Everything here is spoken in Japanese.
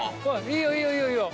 いいよいいよいいよ。